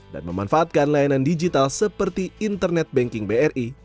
dan memanfaatkan layanan digital seperti internet banking bri